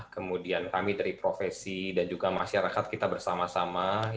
kemudian kami dari profesi dan juga masyarakat kita bersama sama